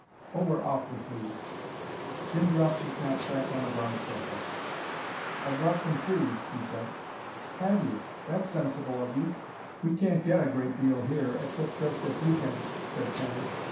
"Oh, we're awfully pleased." Jim dropped his knapsack on the broad sofa. "I've brought some food," he said. "Have you! That's sensible of you. We can't get a great deal here, except just at week ends," said Tanny.